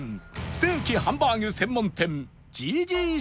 ステーキ・ハンバーグ専門店 ＧＧＣ